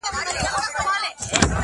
شپه د کال او د پېړۍ په څېر اوږده وای٫